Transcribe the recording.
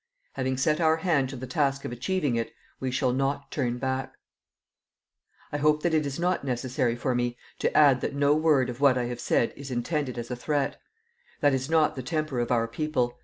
Having set our hand to the task of achieving it, we shall not turn back. "I hope that it is not necessary for me to add that no word of what I have said is intended as a threat. That is not the temper of our people.